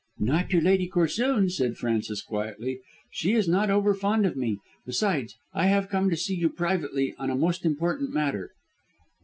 "Not to Lady Corsoon," said Frances quietly. "She is not over fond of me. Besides, I have come to see you privately and on a most important matter."